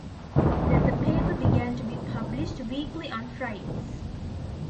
Then the paper began to be published weekly on Fridays.